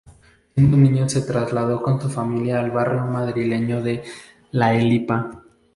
Siendo niño se trasladó con su familia al barrio madrileño de La Elipa.